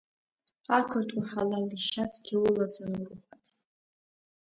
Ақырҭуа ҳалал ишьацқьа улазар урҟәаҵ!